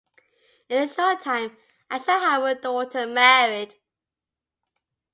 In a short time I shall have a daughter married.